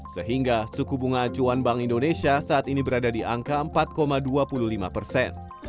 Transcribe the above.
sehingga suku bunga acuan bank indonesia saat ini berada di angka empat dua puluh lima persen